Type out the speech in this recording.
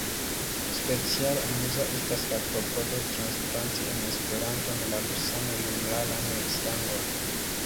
Speciale amuza estas la klopodo transplanti en Esperanton la rusan junularan slangon.